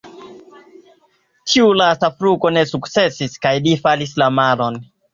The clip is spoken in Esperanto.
Tiu lasta flugo ne sukcesis kaj li falis la maron.